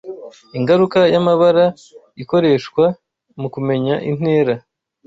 Ingaruka "y'amabara" ikoreshwa mukumenya intera